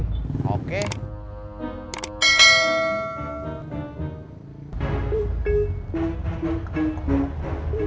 teman saya kalau nyuar